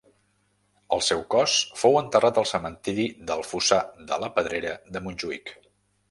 El seu cos fou enterrat al cementiri del Fossar de la Pedrera de Montjuïc.